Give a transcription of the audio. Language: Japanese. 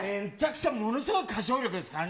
ものすごい歌唱力ですからね。